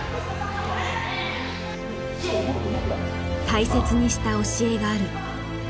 大切にした教えがある。